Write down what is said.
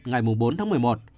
ngày bốn tháng một mươi một